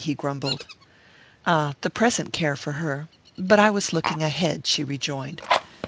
he grumbled. "Ah the present care for her. But I was looking ahead," she rejoined.